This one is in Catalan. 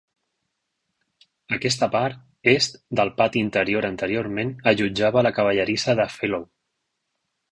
Aquesta part est del pati interior anteriorment allotjava la cavallerissa de Fellow.